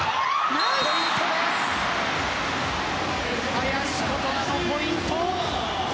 林琴奈のポイント。